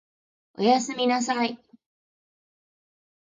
お休みなさい